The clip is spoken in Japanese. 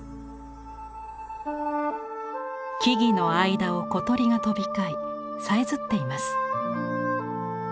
木々の間を小鳥が飛び交いさえずっています。